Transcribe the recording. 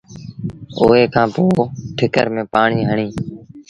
اُئي کآݩ پوء ٺِڪر ميݩ پآڻيٚ هڻي